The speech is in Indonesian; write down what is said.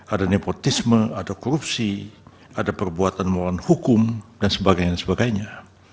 ada nepotisme ada korupsi ada perbuatan melawan hukum dan sebagainya sebagainya